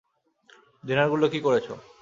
দিনারগুলো কী করেছো?